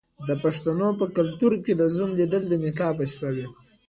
د پښتنو په کلتور کې د زوم لیدل د نکاح په شپه وي.